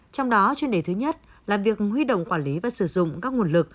trong đó chuyên đề thứ nhất là việc huy động quản lý và sử dụng các nguồn lực